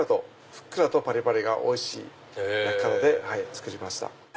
ふっくらとパリパリがおいしい焼き方で作りました。